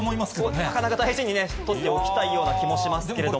なかなか大事にね、取っておきたいような気もしますけれども。